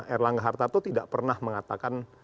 erlangga harta tuh tidak pernah mengatakan